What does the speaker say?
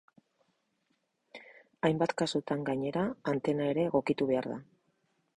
Hainbat kasutan, gainera, antena ere egokitu behar da.